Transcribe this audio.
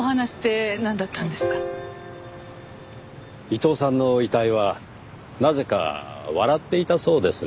伊藤さんの遺体はなぜか笑っていたそうです。